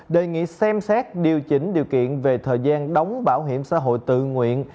đề nghị xem xét điều chỉnh điều kiện về thời gian đóng bảo hiểm xã hội tự nguyện